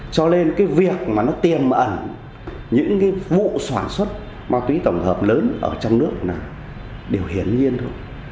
cho nên cái việc mà nó tiềm ẩn những cái vụ xóa xuất ma túy tổng hợp lớn ở trong nước này đều hiển nhiên thôi